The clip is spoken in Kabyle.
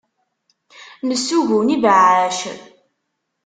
Nessugun ibeɛɛac.